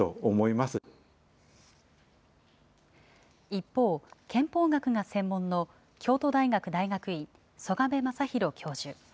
一方、憲法学が専門の京都大学大学院、曽我部真裕教授。